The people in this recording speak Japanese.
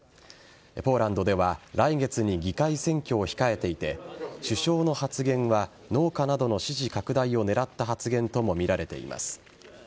ポーランドでは来月に議会選挙を控えていて首相の発言は農家などの支持拡大を狙った発言ともみられています。